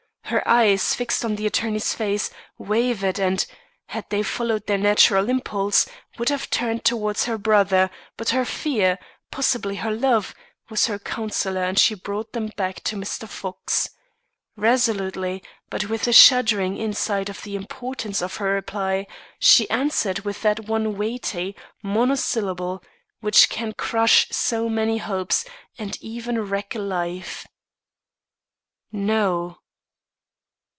Her eyes, fixed on the attorney's face, wavered and, had they followed their natural impulse, would have turned towards her brother, but her fear possibly her love was her counsellor and she brought them back to Mr. Fox. Resolutely, but with a shuddering insight of the importance of her reply, she answered with that one weighty monosyllable which can crush so many hopes, and even wreck a life: "No."